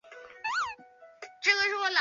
颜钦贤毕业于日本立命馆大学经济科。